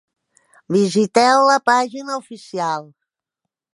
Visiteu la pàgina oficial.